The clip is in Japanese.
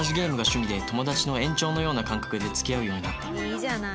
いいじゃない。